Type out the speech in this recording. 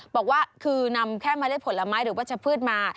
บอกว่าคือนำแค่เมล็ดผลไม้หรือวัชพืชมา